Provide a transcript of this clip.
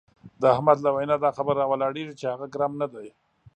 د احمد له وینا دا خبره را ولاړېږي چې هغه ګرم نه دی.